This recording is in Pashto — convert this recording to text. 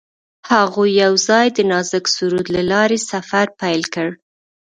هغوی یوځای د نازک سرود له لارې سفر پیل کړ.